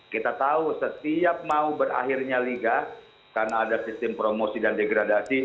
kita tahu setiap mau berakhirnya liga karena ada sistem promosi dan degradasi